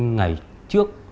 hai ngày trước